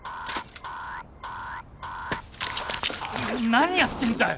何やってんだよ？